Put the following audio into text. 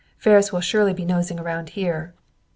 "Ferris will surely be nosing around here.